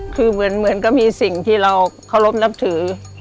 คือเหมือนก็มีสิ่งที่เราเคารพนับถือ